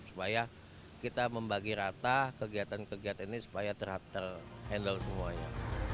supaya kita membagi rata kegiatan kegiatan ini supaya ter handle semuanya